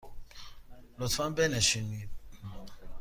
لطفاً بنشینید.